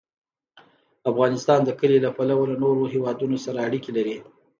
افغانستان د کلي له پلوه له نورو هېوادونو سره اړیکې لري.